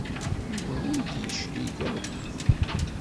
Yuba ur d-yeclig akk.